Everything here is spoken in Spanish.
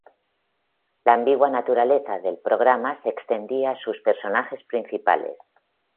La ambigua naturaleza del programa se extendía a sus personajes principales.